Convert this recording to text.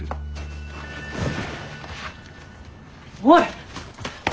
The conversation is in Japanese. おい！